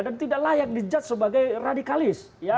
dan tidak layak dijad sebagai radikalis